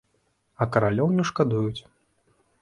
А каралёў не шкадуюць.